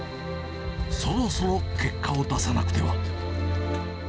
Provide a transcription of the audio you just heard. そろそろ結果を出さなくては。